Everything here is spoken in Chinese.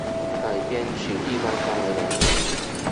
改编曲一般分为两种。